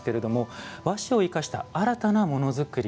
「和紙を生かした新たなものづくり」。